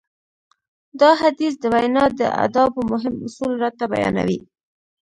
دا حديث د وينا د ادابو مهم اصول راته بيانوي.